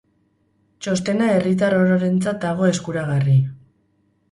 Txostena herritar ororentzat dago eskuragarri.